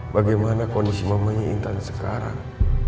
bagaimana kondisi mamanya intan sekarang